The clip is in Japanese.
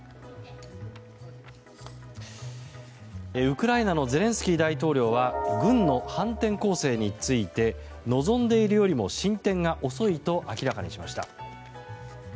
ウクライナのゼレンスキー大統領は軍の反転攻勢について望んでいるよりも進展が遅いと明らかにしました。